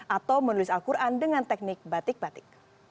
atau menulis al quran dengan teknik batik batik